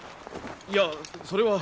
いやそれは。